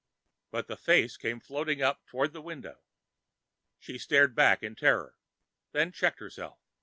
But the face came floating up toward the window. She started back in terror, then checked herself.